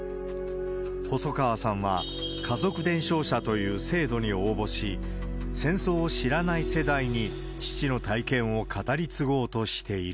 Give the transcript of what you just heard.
細川さんは家族伝承者という制度に応募し、戦争を知らない世代に、父の体験を語り継ごうとしている。